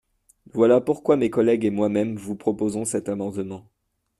Voilà pourquoi mes collègues et moi-même vous proposons cet amendement.